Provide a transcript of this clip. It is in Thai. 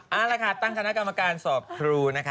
เอาละค่ะตั้งคณะกรรมการสอบครูนะคะ